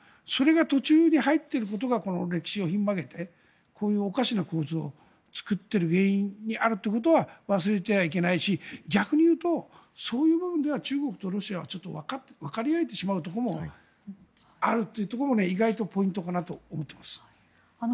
それが途中に入っていることがこの歴史をひん曲げてこういうおかしな構図を作っている原因にあるということは忘れてはいけないし逆に言うと、そういう意味では中国とロシアはわかり合えてしまうところもあるというところも意外とポイントかなと思っています。